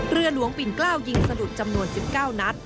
เรือหลวงปิ่นเกล้าวยิงสะดุดจำนวน๑๙นัด